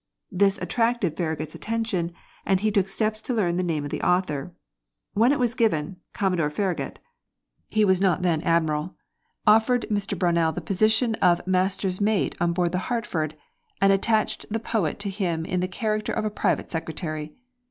This attracted Farragut's attention, and he took steps to learn the name of the author. When it was given, Commodore Farragut (he was not then Admiral) offered Mr. Brownell the position of master's mate on board the Hartford, and attached the poet to him in the character of a private secretary.